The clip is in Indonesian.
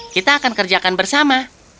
kita akan kerjakan bersama